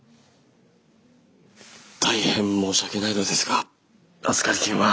大変申し訳ないのですが預かり金は。